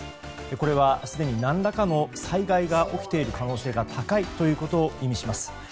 これはすでに何らかの災害が起きている可能性が高いということを意味します。